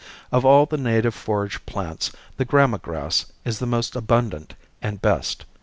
Of all the native forage plants the gramma grass is the most abundant and best.